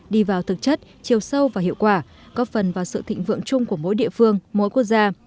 đi vào thực chất chiều sâu và hiệu quả góp phần vào sự thịnh vượng chung của mỗi địa phương mỗi quốc gia